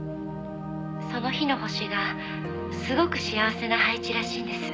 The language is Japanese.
「その日の星がすごく幸せな配置らしいんです」